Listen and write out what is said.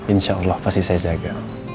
insya allah pasti saya jaga